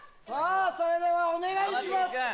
さあ、それではお願いします。